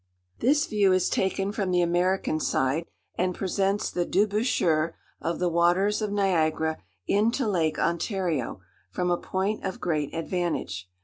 This view is taken from the American side, and presents the debouchure of the waters of Niagara into Lake Ontario, from a point of great advantage.